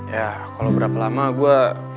ya kalau berapa lama gue